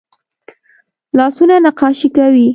لاسونه نقاشي کوي